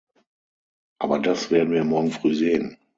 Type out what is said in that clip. Aber das werden wir morgen früh sehen.